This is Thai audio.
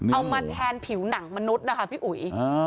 เอามาแทนผิวหนังมนุษย์นะคะพี่อุ๋ย